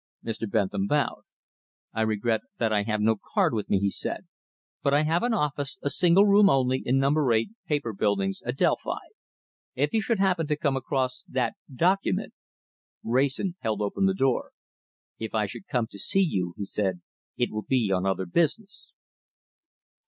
Mr. Bentham bowed. "I regret that I have no card with me," he said, "but I have an office, a single room only, in number 8, Paper Buildings, Adelphi. If you should happen to come across that document " Wrayson held open the door. "If I should come to see you," he said, "it will be on other business."